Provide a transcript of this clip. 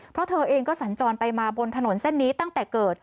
เพราะเธอเองก็สัญจรไปมาบนถนนเส้นนี้ตั้งแต่เกิด